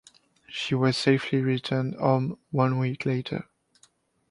She was safely returned home one week later.